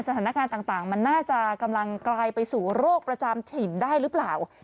สถานการณ์ต่างมันน่าจะกำลังกลายไปสู่โรคประจำถิ่นได้หรือเปล่า